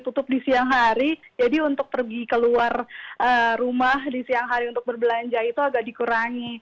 tutup di siang hari jadi untuk pergi keluar rumah di siang hari untuk berbelanja itu agak dikurangi